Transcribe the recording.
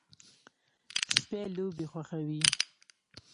سپي لوبې خوښوي.